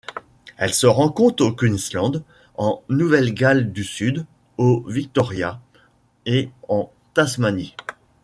Elle se rencontre au Queensland, en Nouvelle-Galles du Sud, au Victoria et en Tasmanie.